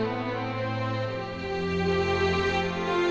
itu juga susah sekali katanya